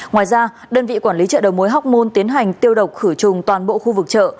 ngoài ra đơn vị quản lý chợ đầu mối hóc môn tiến hành tiêu độc khử trùng toàn bộ khu vực chợ